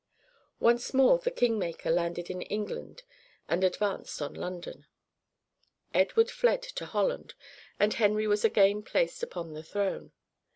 Once more the king maker landed in England and advanced on London. Edward fled to Holland and Henry was again placed upon the throne.